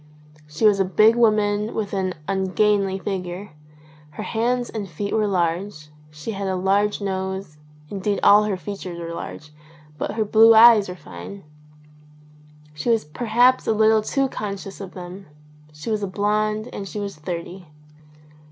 She was a big woman with an ungainly figure; her hands and feet were large ; she had a large nose, indeed all her features were large; but her blue eyes were fine. She was perhaps a little too con scious of them. She was a blonde and she was thirty.